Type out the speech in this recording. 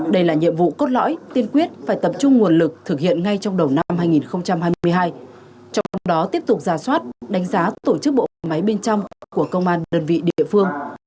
đây là nhiệm vụ cốt lõi tiên quyết phải tập trung nguồn lực thực hiện ngay trong đầu năm hai nghìn hai mươi hai trong đó tiếp tục ra soát đánh giá tổ chức bộ máy bên trong của công an đơn vị địa phương